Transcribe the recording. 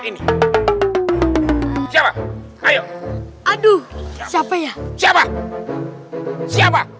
ini w appetit yang siapa siapa